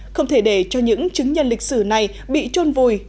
không thể để cho những chứng nhân lịch sử này bị trôn vùi